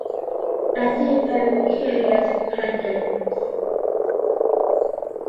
And two very curious pendants.